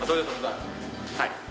はい。